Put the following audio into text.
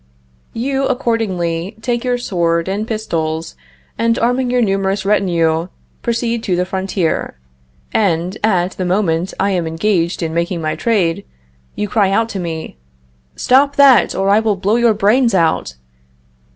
You, accordingly, take your sword and pistols, and, arming your numerous retinue, proceed to the frontier, and, at the moment I am engaged in making my trade, you cry out to me: "Stop that, or I will blow your brains out!"